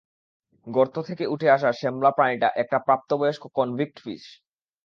গর্ত থেকে উঠে আসা শ্যামলা প্রাণীটা একটা প্রাপ্তবয়স্ক কনভিক্ট ফিশ।